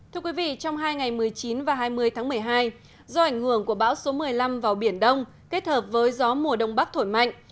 thưa quý vị trong hai ngày một mươi chín và hai mươi tháng một mươi hai do ảnh hưởng của bão số một mươi năm vào biển đông kết hợp với gió mùa đông bắc thổi mạnh